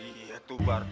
iya tuh bar